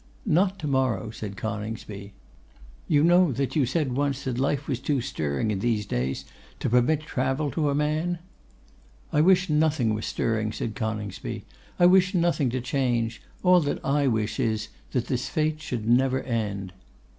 'Not to morrow,' said Coningsby. 'You know that you said once that life was too stirring in these days to permit travel to a man?' 'I wish nothing was stirring,' said Coningsby. 'I wish nothing to change. All that I wish is, that this fête should never end.